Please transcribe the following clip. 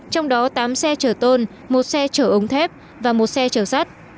trong đó tám xe chở tôn một xe chở ống thép và một xe chở sắt